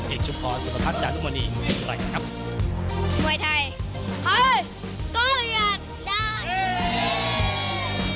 เอกชุมพลสุขภัทรจานุโมนีก็อย่างนี้เลยครับ